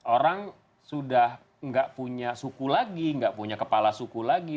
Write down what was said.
orang sudah nggak punya suku lagi nggak punya kepala suku lagi